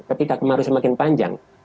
ketika kemaruh semakin panjang